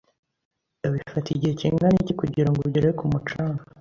Bifata igihe kingana iki kugirango ugere ku mucanga?